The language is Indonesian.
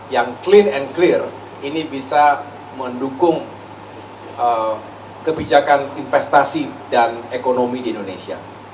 yang clean and clear ini bisa mendukung kebijakan investasi dan ekonomi di indonesia